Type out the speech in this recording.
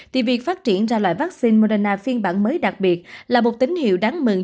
thì việc phát triển ra loại vaccine moderna phiên bản mới đặc biệt là một tín hiệu đáng mừng